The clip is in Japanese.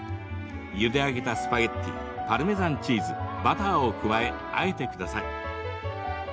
ゆで上げたスパゲッティパルメザンチーズ、バターを加えあえてください。